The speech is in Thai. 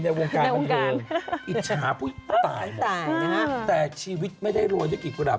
ในวงการอิจฉาผู้ตายแต่ชีวิตไม่ได้รวยเศรษฐกฎาบ